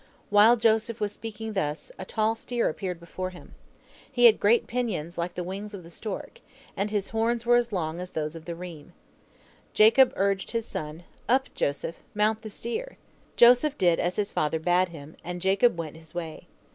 While Joseph was speaking thus, a tall steer appeared before him. He had great pinions like the wings of the stork, and his horns were as long as those of the reem. Jacob urged his son, 'Up, Joseph, mount the steer!' Joseph did as his father bade him, and Jacob went his way.